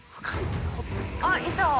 ◆あっ、いた。